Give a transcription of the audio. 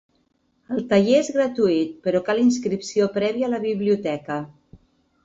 El taller és gratuït però cal inscripció prèvia a la biblioteca.